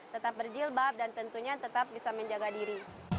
tetap berjilbab dan tentunya tetap bisa menjaga diri